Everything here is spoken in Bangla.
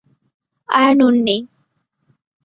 আর নুন নেই।